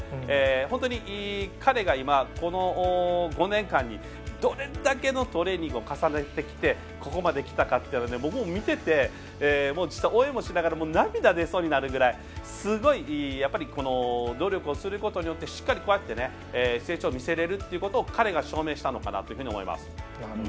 本当に彼が今、この５年間にどれだけのトレーニングを重ねてきて、ここまできたか見てて、実は応援もしながら涙が出そうになるぐらいすごい、この努力をすることによってしっかり成長を見せられるということを彼が証明したのかなといます。